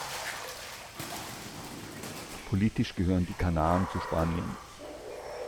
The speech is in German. Politisch gehören die Kanaren zu Spanien.